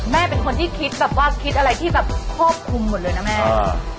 แม่เป็นคนที่คิดแบบว่าคิดอะไรที่แบบควบคุมหมดเลยนะแม่